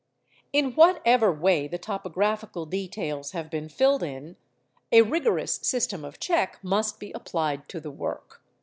In whatever way the topographical details have been filled in, a rigorous system of check must be applied to the work.